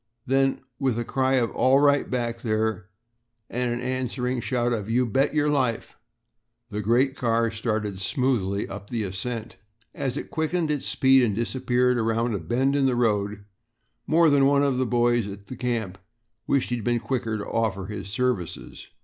Then with a cry of "All right back there?" and an answering shout of "You bet your life," the great car started smoothly up the ascent. As it quickened its speed and disappeared around a bend of the road, more than one of the boys at the camp wished he had been quicker to offer his services.